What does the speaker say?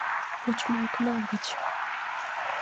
Почмо окна гыч